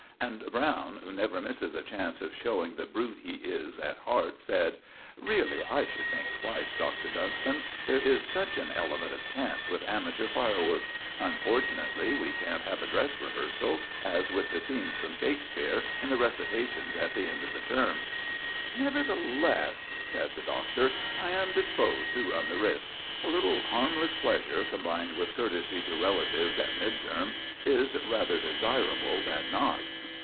And Browne, who never misses a chance of showing the brute he is at heart, said: "Really, I should think twice, Doctor Dunston. There is such an element of chance with amateur fireworks. Unfortunately, we can't have a dress rehearsal, as with the scenes from Shakespeare and the recitations at the end of the term." "Nevertheless," said the Doctor, "I am disposed to run the risk. A little harmless pleasure combined with courtesy to relatives at mid term is rather desirable than not."